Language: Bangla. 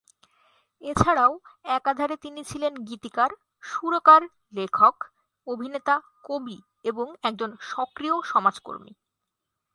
এছাড়াও একাধারে তিনি ছিলেন গীতিকার, সুরকার লেখক, অভিনেতা, কবি এবং একজন সক্রিয় সমাজকর্মী।